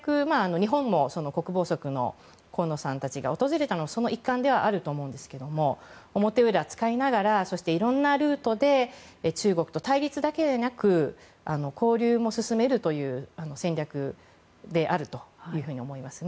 日本も河野さんたちが訪れたのはその一環であると思うんですが表裏を使いながらいろんなルートで中国と対立だけでなく交流も進めるという戦略であると思います。